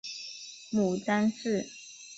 母詹氏。